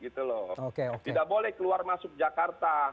tidak boleh keluar masuk jakarta